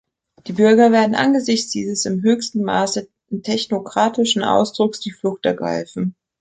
Die Bürger werden angesichts dieses im höchsten Maße technokratischen Ausdrucks die Flucht ergreifen.